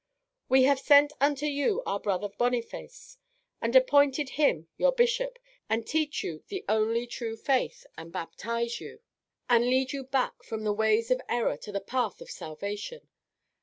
"We have sent unto you our Brother Boniface, and appointed him your bishop, that he may teach you the only true faith, and baptise you, and lead you back from the ways of error to the path of salvation.